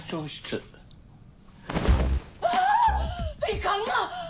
いかんが！